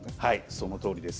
そのとおりです。